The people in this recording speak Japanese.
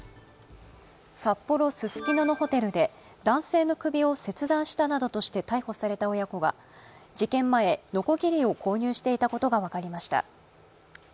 札幌・ススキノのホテルで男性の首を切断したなどとして逮捕された親子が事件前、のこぎりを購入していたことが分かりました。